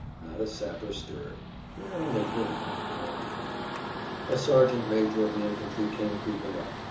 Not a sapper stirred. We are only human, after all. A sergeant major of the infantry came creeping up.